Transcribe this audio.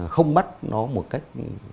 không bắt nó một cách